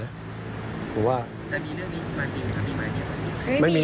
ถ้ามีเรื่องนี้มันจริงหรือไม่มี